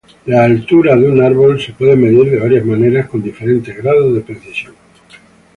Altura del árbol se puede medir de varias maneras con diferentes grados de precisión.